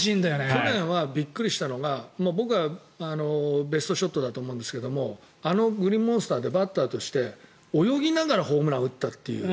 去年はびっくりしたのが僕がベストショットだと思うんですけどあのグリーンモンスターでバッターとして泳ぎながらホームランを打ったという。